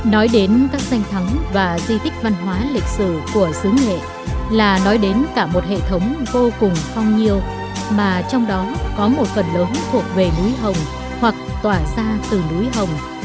nói đến các danh thắng và di tích văn hóa lịch sử của xứ nghệ là nói đến cả một hệ thống vô cùng phong nhiêu mà trong đó có một phần lớn thuộc về núi hồng hoặc tỏa ra từ núi hồng